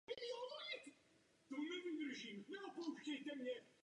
Jako členka ruské smíšené štafety vybojovala na šampionátu v Hochfilzenu bronzovou medaili.